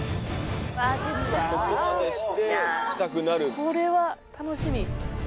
これは楽しみ。